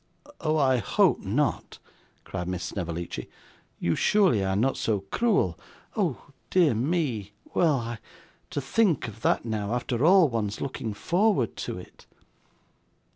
'Oh, I hope not!' cried Miss Snevellicci. 'You surely are not so cruel oh, dear me! Well, I to think of that now, after all one's looking forward to it!